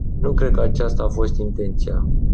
Nu cred că aceasta a fost intenția.